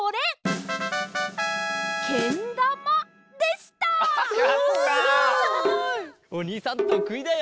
すごい！おにいさんとくいだよ！